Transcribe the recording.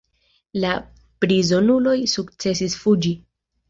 La prizonuloj sukcesis fuĝi.